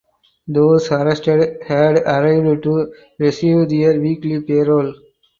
Those arrested had arrived to receive their weekly payroll.